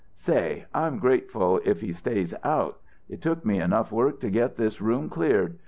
"Say I'm grateful if he stays out. It took me enough work to get this room cleared.